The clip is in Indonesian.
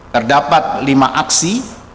terdapat lima aksi